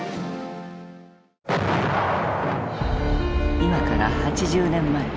今から８０年前。